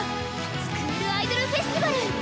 スクールアイドルフェスティバル！